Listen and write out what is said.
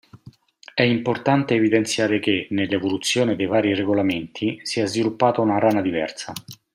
È importante evidenziare che nell'evoluzione dei vari regolamenti si è sviluppata una rana diversa.